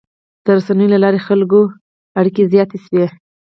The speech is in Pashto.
د رسنیو له لارې د خلکو اړیکې زیاتې شوي.